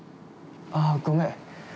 あ、ごめん。